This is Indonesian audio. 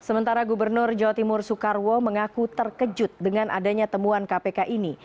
sementara gubernur jawa timur soekarwo mengaku terkejut dengan adanya temuan kpk ini